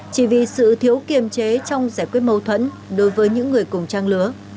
chỉ vì sự thiếu kiềm chế trong giải quyết mâu thuẫn đối với những người cùng trang lứa